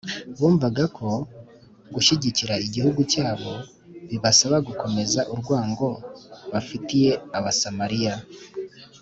. Bumvaga ko gushyigikira igihugu cyabo bibasaba gukomeza urwango bafitiye Abasamariya